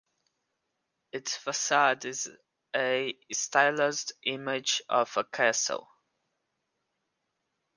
Its facade is a stylized image of a castle.